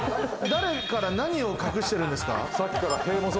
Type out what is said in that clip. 誰から何を隠してるんですか？